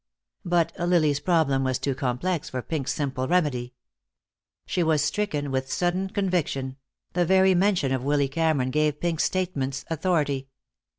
But Lily's problem was too complex for Pink's simple remedy. She was stricken with sudden conviction; the very mention of Willy Cameron gave Pink's statements authority.